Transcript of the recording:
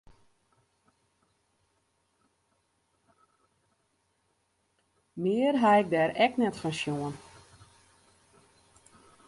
Mear ha ik dêr ek net fan sjoen.